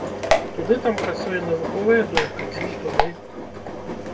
Туды там працуе навуковая думка, ці не туды.